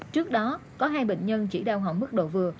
trước đó có hai bệnh nhân chỉ đau họng mức độ vừa